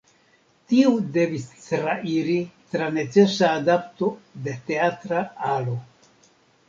Tiu devis trairi tra necesa adapto de teatra alo.